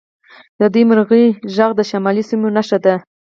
د دې مرغۍ غږ د شمالي سیمو نښه ده